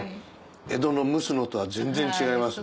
江戸の蒸すのとは全然違いますね。